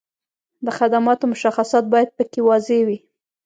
د خدماتو مشخصات باید په کې واضح وي.